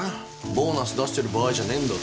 ボーナス出してる場合じゃねえんだと。